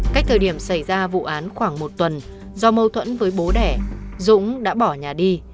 cách thời điểm xảy ra vụ án khoảng một tuần do mâu thuẫn với bố đẻ dũng đã bỏ nhà đi